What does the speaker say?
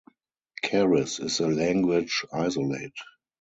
Keres is a language isolate.